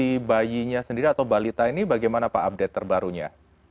dari bayinya sendiri atau balita ini bagaimana pak update terbarunya